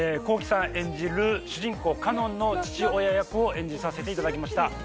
Ｋｋｉさん演じる主人公奏音の父親役を演じさせていただきました。